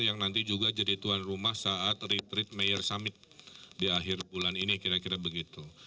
yang nanti juga jadi tuan rumah saat retreat mayor summit di akhir bulan ini kira kira begitu